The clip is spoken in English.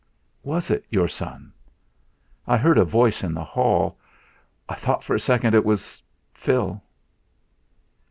"Was it your son? I heard a voice in the hall; I thought for a second it was Phil."